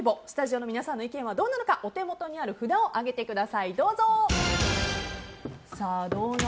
スタジオの皆さんの意見はどうなのかお手元にある札を上げてください。